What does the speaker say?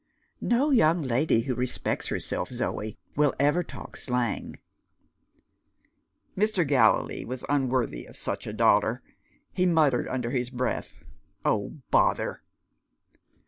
"No young lady who respects herself, Zoe, will ever talk slang." Mr. Gallilee was unworthy of such a daughter. He muttered under his breath, "Oh, bother!"